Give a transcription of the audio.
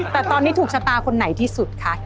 แต่ตอนนี้ถูกชะตาคนไหนที่สุดคะ